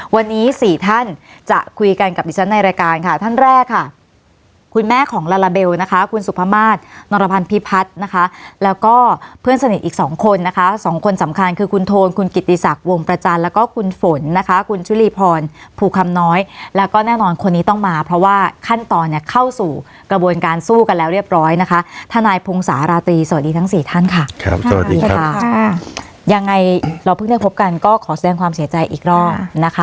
วันนี้สี่ท่านจะคุยกันกับดิฉันในรายการค่ะท่านแรกค่ะคุณแม่ของลาลาเบลนะคะคุณสุภมาศนรพันธ์พิพัฒน์นะคะแล้วก็เพื่อนสนิทอีกสองคนนะคะสองคนสำคัญคือคุณโทนคุณกิตตีศักดิ์วงประจันทร์แล้วก็คุณฝนนะคะคุณชุลีพรภูคำน้อยแล้วก็แน่นอนคนนี้ต้องมาเพราะว่าขั้นตอนเนี่ยเข้าสู่กระบวนการสู้กั